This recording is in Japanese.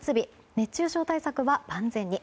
熱中症対策は万全に。